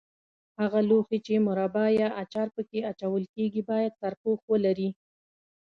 هغه لوښي چې مربا یا اچار په کې اچول کېږي باید سرپوښ ولري.